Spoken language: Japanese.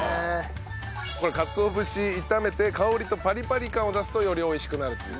これかつお節炒めて香りとパリパリ感を出すとより美味しくなるという。